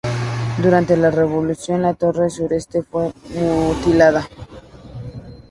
Durante la Revolución, la torre sureste fue mutilada.